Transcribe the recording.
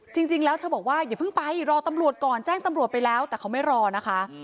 จริงแล้วเธอบอกว่าอย่าเพิ่งไปรอตำรวจก่อนแจ้งตำรวจไปแล้วแต่เขาไม่รอนะคะ